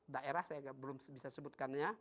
daerah saya belum bisa sebutkannya